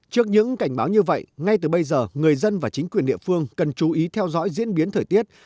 trước những cảnh báo như vậy ngay từ bây giờ người dân và chính quyền địa phương cần chú ý theo dõi diễn biến thời tiết